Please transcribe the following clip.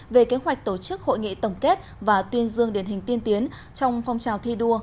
về kế hoạch tổ chức hội nghị tổng kết và tuyên dương điển hình tiên tiến trong phong trào thi đua